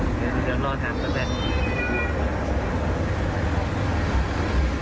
เดี๋ยวนอนทำสักแปด